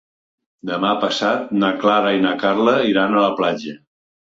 Demà passat na Clara i na Carla iran a la platja.